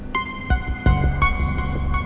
tidak ada yang bisa dikira